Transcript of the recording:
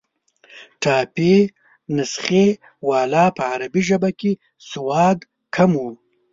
ټایپي نسخې والا په عربي ژبه کې سواد کم وو.